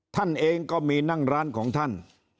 ท่านเองก็มีนั่งร้านของท่าน